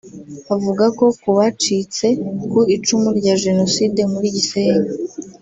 avuga ko ku bacitse ku icumu rya Jenoside muri Gisenyi